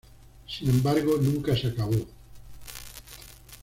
Sin embargo, nunca se acabó.